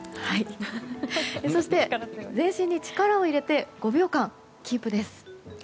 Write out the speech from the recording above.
そして、全身に力を入れて５秒間キープです。